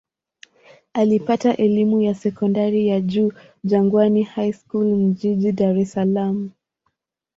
Alipata elimu ya sekondari ya juu Jangwani High School jijini Dar es Salaam.